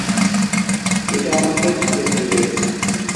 এটা আমাকে ফাঁদে ফেলবে।